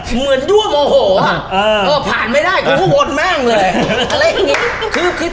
อะเหมือนด้วมโอโหบด่วนแม่งเลย